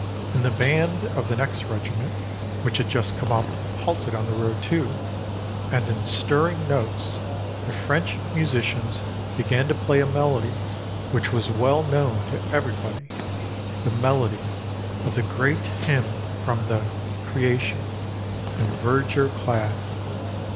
And the band of the next regiment, which had just come up, halted on the road, too, and, in stirring notes, the French musicians began to play a melody which was well known to everybody, the melody of the great hymn from the "Creation," "In verdure clad."